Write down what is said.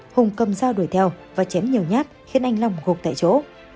hùng cầm dao đuổi theo và chém nhiều nhát khiến anh long gục tại chỗ